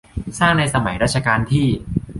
สร้างในสมัยรัชกาลที่